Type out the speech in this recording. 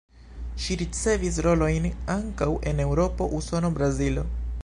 Ŝi ricevis rolojn ankaŭ en Eŭropo, Usono, Brazilo.